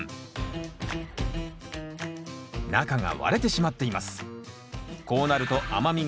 中が割れてしまっています。